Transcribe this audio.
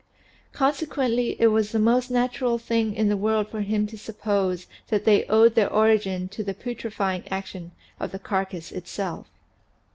Consequently it was the most natural thing in the world for him to suppose that they owed their origin to the putrefying action of the carcass itself.